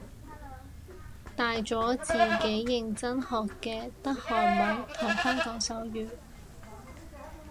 大咗自己認真學嘅得韓文同香港手語